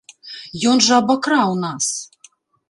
Ён жа абакраў нас!